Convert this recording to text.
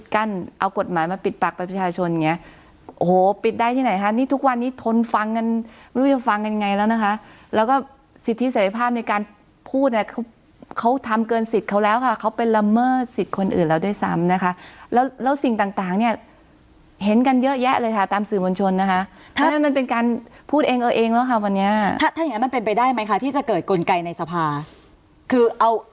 คนฟังกันรู้จะฟังกันไงแล้วนะคะแล้วก็สิทธิเสร็จภาพในการพูดเขาทำเกินสิทธิ์เขาแล้วค่ะเขาเป็นละเมิดสิทธิ์คนอื่นแล้วด้วยซ้ำนะคะแล้วสิ่งต่างเนี่ยเห็นกันเยอะแยะเลยค่ะตามสื่อบนชนนะคะเพราะฉะนั้นมันเป็นการพูดเองเอาเองแล้วค่ะวันนี้ถ้าอย่างนั้นมันเป็นไปได้ไหมคะที่จะเกิดกลไกในสภาคือ